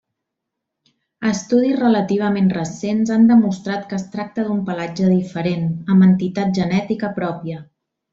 Estudis relativament recents han demostrat que es tracta d'un pelatge diferent, amb entitat genètica pròpia.